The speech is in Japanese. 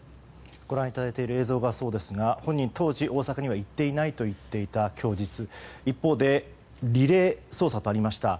ご覧いただいている映像がそうですが本人当時、大阪には行っていないと言っていた供述一方でリレー捜査とありました。